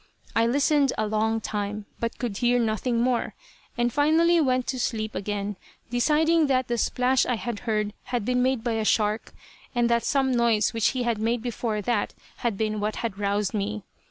I listened a long time, but could hear nothing more, and finally went to sleep again, deciding that the splash I had heard had been made by a shark, and that some noise which he had made before that had been what had roused me.